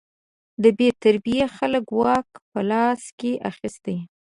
د بې تربیې خلکو واک په لاس کې اخیستی.